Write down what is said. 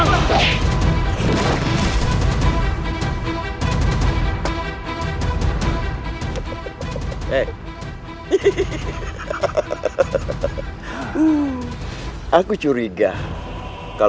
aku akan membayar makanan ini semua